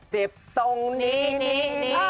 เจ็บตรงนี้นี้